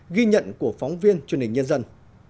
ghi nhận của phóng viên truyền hình nhân dân